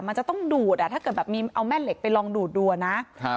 มันจะต้องดูดถ้าเกิดแบบมีเอาแม่เหล็กไปลองดูดดัวนะ